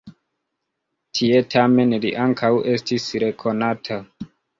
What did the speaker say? Tie, tamen, li ankaŭ estis rekonata.